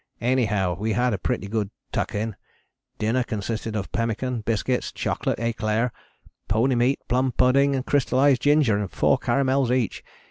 Anyhow we had a pretty good tuck in. Dinner consisted of pemmican, biscuits, chocolate éclair, pony meat, plum pudding and crystallized ginger and four caramels each.